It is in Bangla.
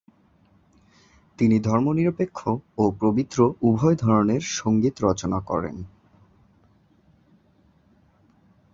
তিনি ধর্মনিরপেক্ষ ও পবিত্র উভয় ধরনের সঙ্গীত রচনা করেন।